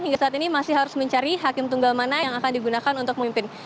hingga saat ini masih harus mencari hakim tunggal mana yang akan digunakan untuk memimpin